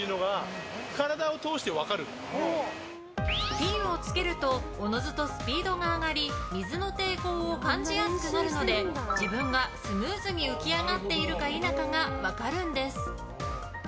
フィンを着けるとおのずとスピードが上がり水の抵抗を感じやすくなるので自分がスムーズに浮き上がっているか否かが分かるんです。